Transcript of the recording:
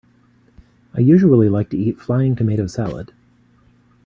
I usually like to eat flying tomato salad.